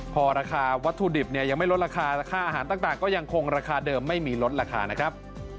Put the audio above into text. พอราคาวัตถุดิบเนี่ยยังไม่ลดราคาราคาอาหารต่างก็ยังคงราคาเดิมไม่มีลดราคานะครับ